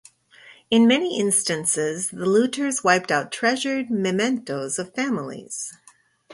In many instances, the looters wiped out treasured mementoes of families.